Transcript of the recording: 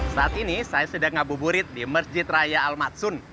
saat ini saya sedang ngabuburit di masjid raya al matsun